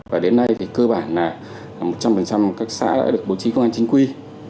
và đến nay thì cơ bản là một trăm linh các xã đã được bố trí công an chính quy